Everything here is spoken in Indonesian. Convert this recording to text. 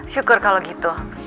syukur kalau gitu